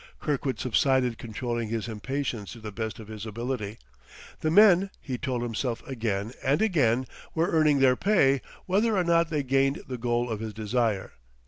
Kirkwood subsided, controlling his impatience to the best of his ability; the men, he told himself again and again, were earning their pay, whether or not they gained the goal of his desire....